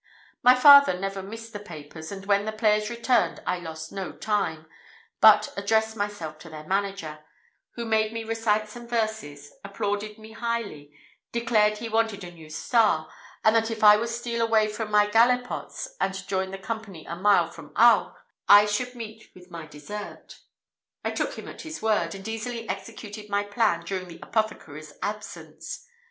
My father never missed the papers; and when the players returned I lost no time, but addressed myself to their manager, who made me recite some verses, applauded me highly, declared he wanted a new star, and that if I would steal away from my gallipots and join the company a mile from Auch, I should meet with my desert. I took him at his word, and easily executed my plan during the apothecary's absence.